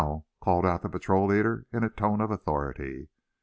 called out the patrol leader, in a tone of authority.